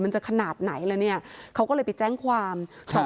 มันจะขนาดไหนแล้วเนี่ยเขาก็เลยไปแจ้งความ